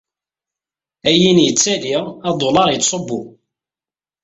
Ayin yettali, adular yettṣubbu.